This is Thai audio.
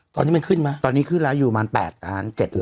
ตอนนี้มันขึ้นไหมตอนนี้ขึ้นแล้วอยู่มาร้านแปด